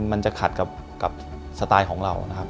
มันจะขัดกับสไตล์ของเรานะครับ